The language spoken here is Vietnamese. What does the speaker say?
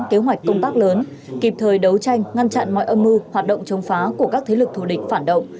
kế hoạch công tác lớn kịp thời đấu tranh ngăn chặn mọi âm mưu hoạt động chống phá của các thế lực thù địch phản động